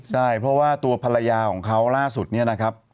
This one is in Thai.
ใช่เพราะว่าตัวภรรยาของเขาล่าสุดเนี่ยนะครับ